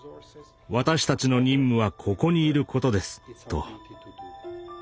私たちの任務はここにいることです」と。